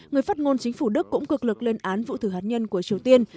người phát ngôn chính phủ đức cũng cực lực lên án vụ thử hạt nhân của triều tiên